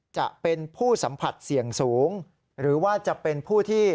จะเป็นผู้สัมผัสเสี่ยงสูงหรือว่าจะเป็นผู้ที่